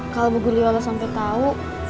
kalau bu guliwala sampai tahu